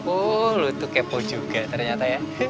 oh lo tuh kepo juga ternyata ya